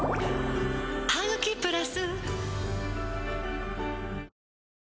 「ハグキプラス」